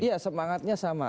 iya semangatnya sama